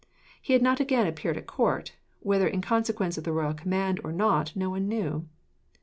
He had not again appeared at court, whether in consequence of the royal command, or not, no one knew.